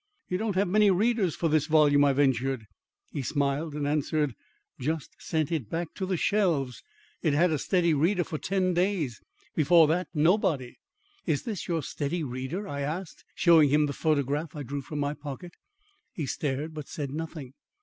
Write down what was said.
"You don't have many readers for this volume?" I ventured. He smiled and answered, "Just sent it back to the shelves. It's had a steady reader for ten days. Before that, nobody." "Is this your steady reader?" I asked, showing him the photograph I drew from my pocket. He stared, but said nothing.